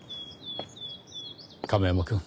亀山くん。